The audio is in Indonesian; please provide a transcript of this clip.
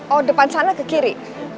oh depan sana ke kiri